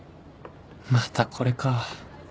またこれか